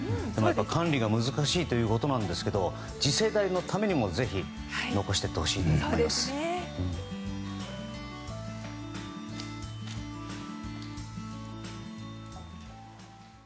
管理が難しいということなんですけど次世代のためにもぜひ残していってほしいですね。